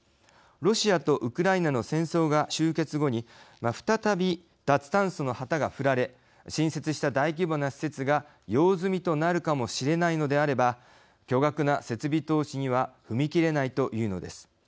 ロシアとウクライナの戦争が終結後に再び、脱炭素の旗が振られ進出した大規模な施設が用済みとなるかもしれないのであれば巨額な設備投資には踏み切れないというのです。